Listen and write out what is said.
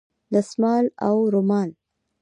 دستمال او رومال